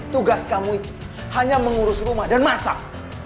tugas kamu hanya mengurus rumah dan masak